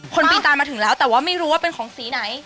ปีนตามมาถึงแล้วแต่ว่าไม่รู้ว่าเป็นของสีไหน